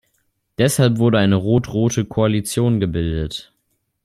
Deshalb wurde eine rot-rote Koalition gebildet.